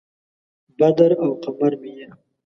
بدر او قمر مې یې